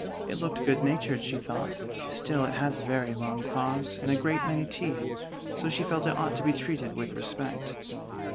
It looked good natured, she thought: still it had very long claws and a great many teeth, so she felt it ought to be treated with respect.